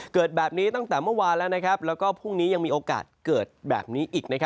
เมื่อวานและพรุ่งนี้มีโอกาสเกิดแบบนี้